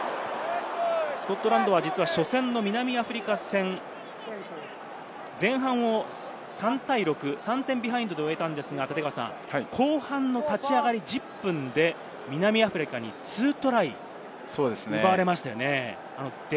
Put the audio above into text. スコットランドは実は初戦の南アフリカ戦、前半を３対６、３点ビハインドで終えたんですが、後半の立ち上がり１０分で南アフリカに２トライ奪われましたね。